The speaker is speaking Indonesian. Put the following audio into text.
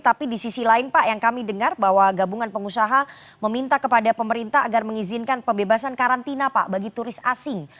tapi di sisi lain pak yang kami dengar bahwa gabungan pengusaha meminta kepada pemerintah agar mengizinkan pembebasan karantina pak bagi turis asing